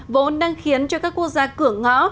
vốn đang khiến cho các quốc gia cửa ngõ